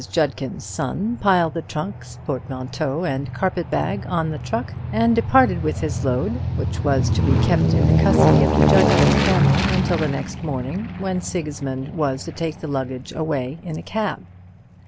Judkin's son piled the trunks, portmanteau, and carpet bag on the truck, and departed with his load, which was to be kept in the custody of the Judkin family until the next morning, when Sigismund was to take the luggage away in a cab.